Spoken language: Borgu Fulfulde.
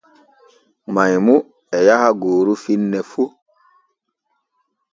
Maymu e yaha gooru finne fu.